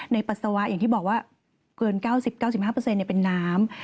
ปัสสาวะอย่างที่บอกว่าเกิน๙๐๙๕เป็นน้ำ